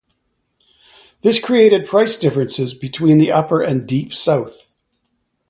This created price differences between the Upper and Deep South.